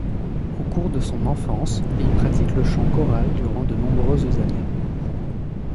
Au cours de son enfance, il pratique le chant choral durant de nombreuses années.